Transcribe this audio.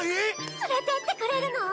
連れてってくれるの？